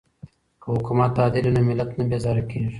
که حکومت عادل وي نو ملت نه بیزاره کیږي.